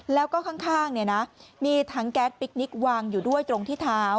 แล้วก็ข้างมีถังแก๊สปิ๊กนิกวางอยู่ด้วยตรงที่เท้า